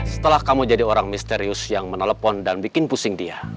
setelah kamu jadi orang misterius yang menelpon dan bikin pusing dia